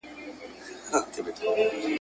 او د شعرونو مجموعې یې چاپ ته سپارلې ,